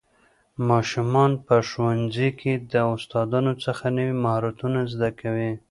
ماشومان په ښوونځي کې له استادانو څخه نوي مهارتونه زده کوي